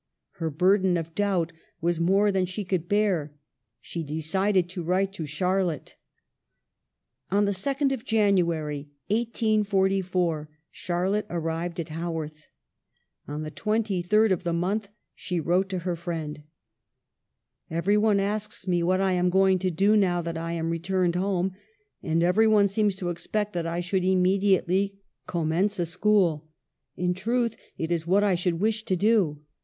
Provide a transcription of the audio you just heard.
Her burden of doubt was more than she could bear. She decided to write to Char lotte. On the 2d of January, 1844, Charlotte arrived at Haworth. On the 23d of the month she wrote to her friend :" Every one asks me what I am going to do now that I am returned home, and every one seems to expect that I should immediately com mence a school. In truth it is what I should wish to do.